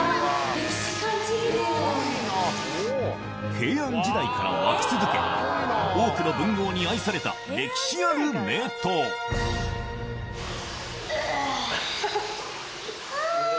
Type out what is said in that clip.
平安時代から湧き続け多くの文豪に愛された歴史ある名湯あ！